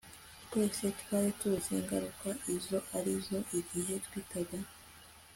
twese twari tuzi ingaruka izo ari zo igihe twitanga